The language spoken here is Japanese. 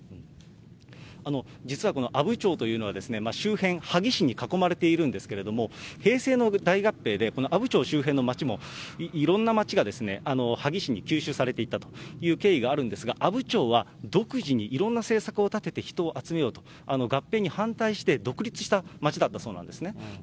実はこの阿武町というのは、周辺、萩市に囲まれているんですけれども、平成の大合併で阿武町周辺の町も、いろんな町が萩市に吸収されていったという経緯があるんですが、阿武町は独自にいろんな政策を立てて人を集めようと、合併に反対して独立した町だったそうなんですね。